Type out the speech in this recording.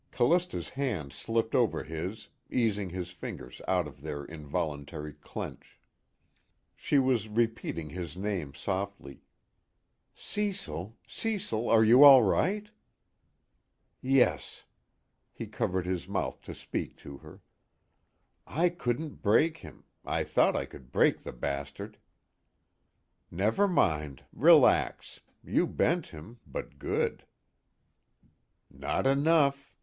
Callista's hand slipped over his, easing his fingers out of their involuntary clench. She was repeating his name softly: "Cecil Cecil are you all right?" "Yes." He covered his mouth to speak to her. "I couldn't break him. I thought I could break the bastard." "Never mind. Relax. You bent him, but good." "Not enough.